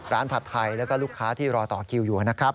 ผัดไทยแล้วก็ลูกค้าที่รอต่อคิวอยู่นะครับ